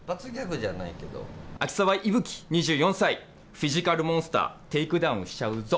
秋澤伊吹２４歳、フィジカルモンスター、テイクダウンしちゃうぞ。